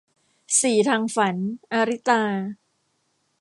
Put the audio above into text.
สี่ทางฝัน - อาริตา